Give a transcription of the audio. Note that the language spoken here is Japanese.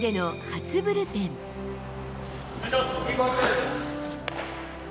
お願いします。